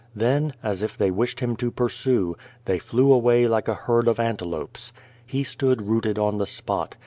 Then, as if they wished him to pursue, they flew away like a herd of antelopes. He stood rooted on the spot.